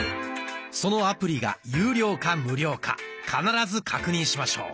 そのアプリが有料か無料か必ず確認しましょう。